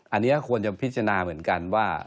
อันนี้ควรจะพิจารณาเหมือนกันว่า